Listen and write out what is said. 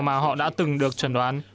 mà họ đã từng được chuẩn đoán